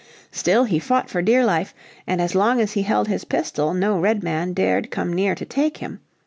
Still he fought for dear life, and as long as he held his pistol no Redman dared come near to take him.